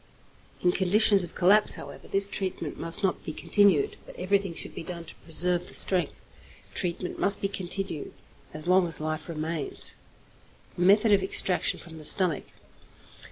In conditions of collapse, however, this treatment must not be continued, but everything should be done to preserve the strength. Treatment must be continued as long as life remains. _Method of Extraction from the Stomach.